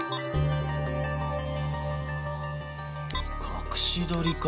隠し撮りか。